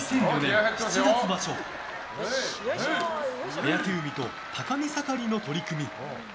追風海と高見盛の取組。